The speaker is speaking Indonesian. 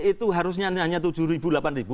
itu harusnya hanya rp tujuh delapan ribu